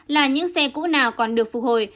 là những xe cũ nào còn được phục hồi